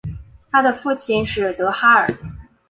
她的父亲是德哈尔。